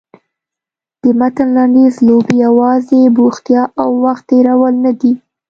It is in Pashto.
د متن لنډیز لوبې یوازې بوختیا او وخت تېرول نه دي.